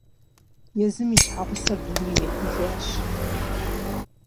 Езым и щхьэгъусэр дунейм ехыжащ.